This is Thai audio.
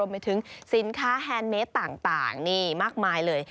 ไปถึงสินค้าแฮนดเมสต่างนี่มากมายเลย